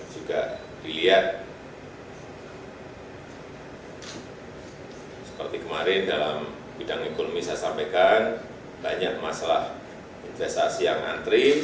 juga dilihat seperti kemarin dalam bidang ekonomi saya sampaikan banyak masalah investasi yang antri